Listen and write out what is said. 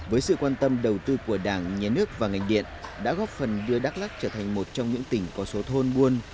với sự quan tâm đầu tư của đảng nhà nước và ngành điện đã góp phần đưa đắk lắc trở thành một trong những tỉnh có số thôn buôn